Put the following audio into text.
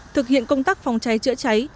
thực hiện công tác phòng cháy chữa cháy